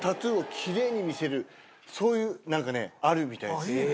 そういうなんかねあるみたいです。